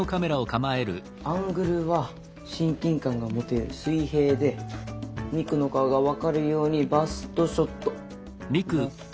アングルは親近感が持てる水平でミクの顔が分かるようにバストショット。